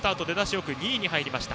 よく２位に入りました。